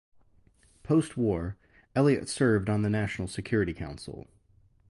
Post-war, Elliott served on the National Security Council.